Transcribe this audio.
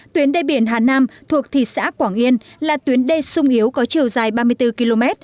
tuyến đê biển hà nam thuộc thị xã quảng yên là tuyến đê sung yếu có chiều dài ba mươi bốn km